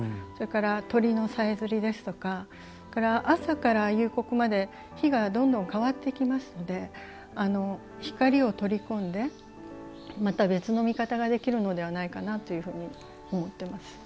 それから鳥のさえずりですとか朝から夕刻まで日がどんどん変わってきますので光を取り込んでまた別の見方ができるのではないかなというふうに思っています。